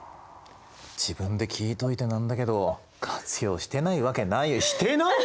自分で聞いといて何だけど活用してないわけないしてない！？